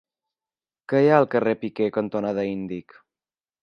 Què hi ha al carrer Piquer cantonada Índic?